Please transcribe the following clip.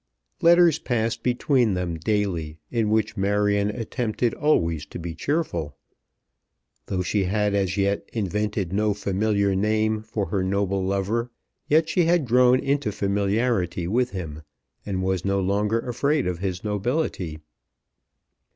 Letters passed between them daily in which Marion attempted always to be cheerful. Though she had as yet invented no familiar name for her noble lover, yet she had grown into familiarity with him, and was no longer afraid of his nobility.